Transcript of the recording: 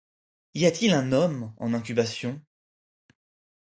Y a-t-il un homme en incubation...